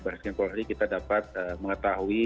baris kempoli kita dapat mengetahui